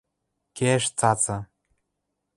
Кеӓш цӓцӓ.